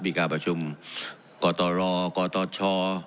มีการประชุมก่อต่อรอก่อต่อช้อ